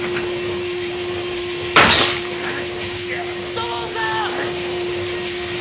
土門さん！